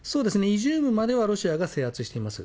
イジュームまではロシアが制圧しています。